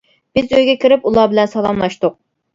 بىز ئۆيگە كىرىپ ئۇلار بىلەن سالاملاشتۇق.